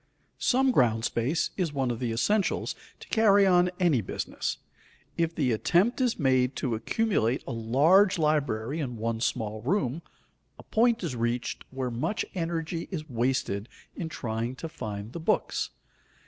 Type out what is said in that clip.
Some ground space is one of the essentials to carry on any business. If the attempt is made to accumulate a large library in one small room, a point is reached where much energy is wasted in trying to find the books.